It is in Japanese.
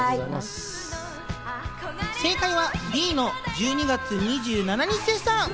正解はＤの１２月２７日でした。